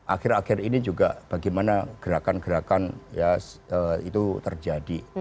akhir akhir ini juga bagaimana gerakan gerakan ya itu terjadi